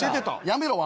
やめろ！